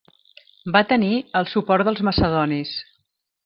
Va tenir el suport dels macedonis.